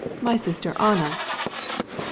_ My sister Anna." "Ah!